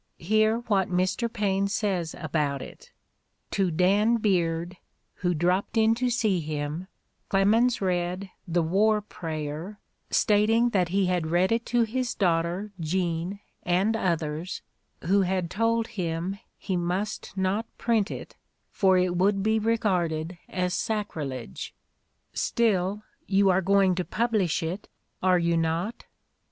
Hear what Mr. Paine says about it: "To Dan Beard, who dropped in to see him, Clemens read the 'War Prayer,' stating that he had read it to his daughter Jean, and others, who had told him he must not print it, for it would be regarded as sacrilege. 'Still you are Let Somebody Else Begin 239 going to publish it, are you not?'